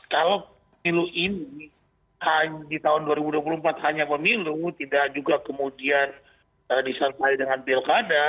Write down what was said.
kalau pemilu ini di tahun dua ribu dua puluh empat hanya pemilu tidak juga kemudian disertai dengan pilkada